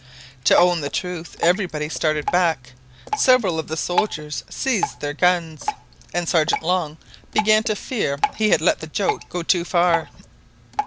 To own the truth everybody started back, several of the soldiers seized their guns, and Sergeant Long began to fear he had let the joke go too far.